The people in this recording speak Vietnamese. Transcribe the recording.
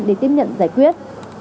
để tiếp nhận giải quyết